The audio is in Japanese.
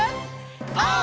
オー！